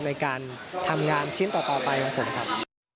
ในการทำงานชิ้นต่อไปของผมครับ